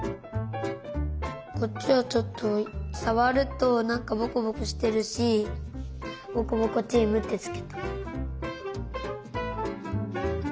こっちはちょっとさわるとなんかボコボコしてるしボコボコチームってつけた。